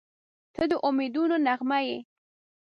• ته د امیدونو نغمه یې.